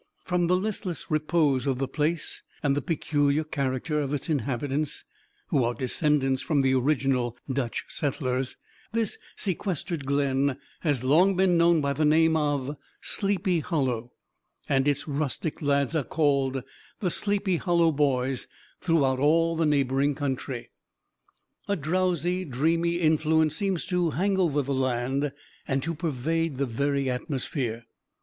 From the listless repose of the place and the peculiar character of its inhabitants, who are descendants from the original Dutch settlers, this sequestered glen has long been known by the name of Sleepy Hollow, and its rustic lads are called the Sleepy Hollow Boys throughout all the neighboring country. A drowsy, dreamy influence seems to hang over the land and to pervade the very atmosphere.